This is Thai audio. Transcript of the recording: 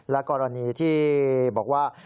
และกรณีที่บอกว่า